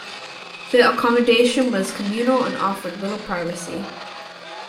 The accommodation was communal and offered little privacy.